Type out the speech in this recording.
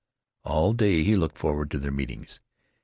All day he looked forward to their meetings.